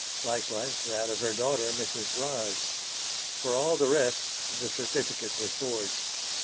Likewise that of her daughter Mrs. Ryves. For all the rest the certificates were forged.